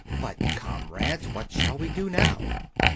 But, comrades, what shall we do now?"